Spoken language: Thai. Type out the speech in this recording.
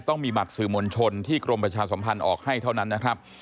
ต้องมีบัตรสื่อมวลชนที่กรมประชาสมพันธ์ออกให้เท่านั้นนะครับ